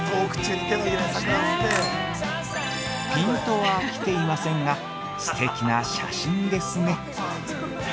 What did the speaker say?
◆ピントは来てませんが素敵な写真ですね。